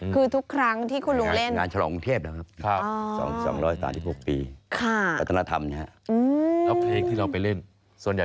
คือทุกครั้งที่คุณลูกเล่น